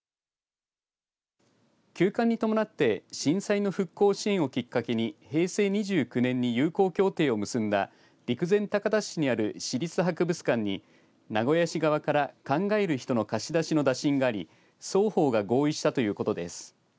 休館に伴って震災の復興支援をきっかけに平成２９年に友好協定を結んだ陸前高田市にある市立博物館に名古屋市側から考える人の貸し出しの打診があり双方が合意したということです。